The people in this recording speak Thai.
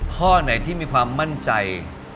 ข้อไหนที่มีความมั่นใจ